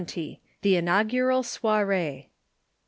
THE INAUGURAL SOIREE.